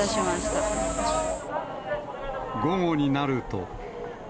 午後になると。